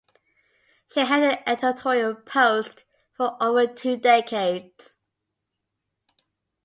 She held the editorial post for over two decades.